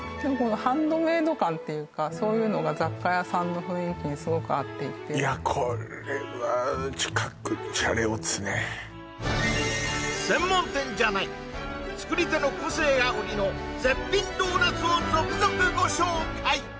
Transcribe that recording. ハンドメイド感っていうかそういうのが雑貨屋さんの雰囲気にすごく合っていていやこれは専門店じゃない作り手の個性が売りの絶品ドーナツを続々ご紹介